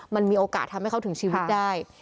มันมีโอกาสทำให้เขาถึงชีวิตได้